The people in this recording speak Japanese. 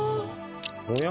おや？